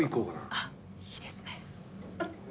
あっいいですね。